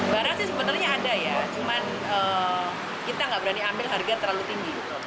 barang sih sebenarnya ada ya cuman kita nggak berani ambil harga terlalu tinggi